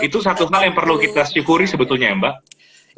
itu satu hal yang perlu kita syukuri sebetulnya ya mbak